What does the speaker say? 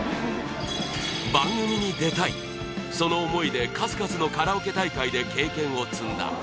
番組に出たいその思いで数々のカラオケ大会で経験を積んだ。